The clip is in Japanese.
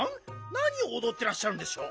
なにをおどってらっしゃるんでしょう？